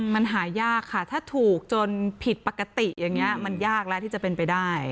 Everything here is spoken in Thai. มันหายากถ้าถูกจนผิดปกติมันยากแล้วที่จะเป็นไปได้